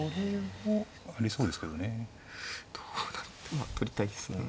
まあ取りたいですけどね。